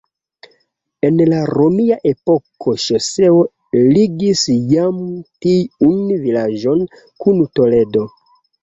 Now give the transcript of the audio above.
En la romia epoko ŝoseo ligis jam tiun vilaĝon kun Toledo.